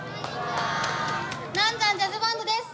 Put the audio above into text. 南山ジャズバンドです。